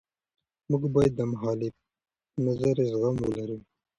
موږ باید د مخالف نظر زغم ولرو.